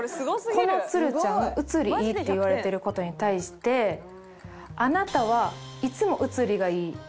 「このつるちゃん写りいい」って言われてる事に対してあなたはいつも写りがいい。